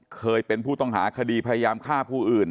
เคยเป็นผู้ต้องหาคดีพยายามฆ่าผู้อื่น